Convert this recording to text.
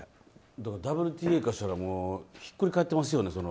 ＷＴＡからしたらひっくり返ってますよね。